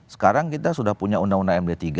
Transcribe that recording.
sekarang kita sudah punya undang undang md tiga